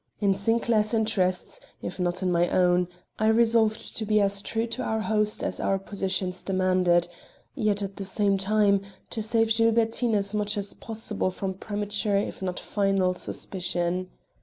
In Sinclair's interests, if not in my own, I resolved to be as true to our host as our positions demanded, yet, at the same time, to save Gilbertine as much as possible from premature if not final suspicion.